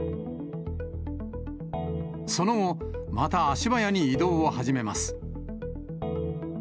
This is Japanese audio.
その後、また足早に移動を始めます。